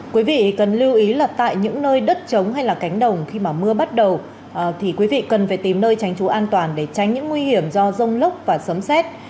quý vị cần lưu ý là tại những nơi đất trống hay là cánh đồng khi mà mưa bắt đầu thì quý vị cần phải tìm nơi tránh trú an toàn để tránh những nguy hiểm do rông lốc và sấm xét